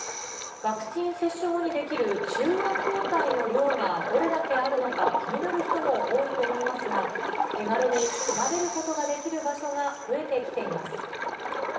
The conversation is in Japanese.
ワクチン接種後に出来る中和抗体の量がどれだけあるのか、気になる人も多いと思いますが、手軽に調べることができる場所が増えてきています。